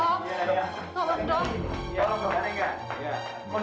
kondisinya parah dok